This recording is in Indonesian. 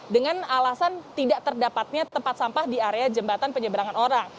dengan alasan tidak terdapatnya tempat sampah di area jembatan penyeberangan orang